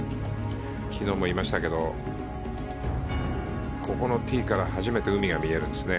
昨日も言いましたけどここのティーから、初めて海が見えるんですね。